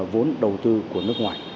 vốn đầu tư của nước ngoài